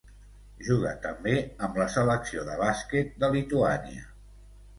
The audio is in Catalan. Juga també amb la selecció de bàsquet de Lituània.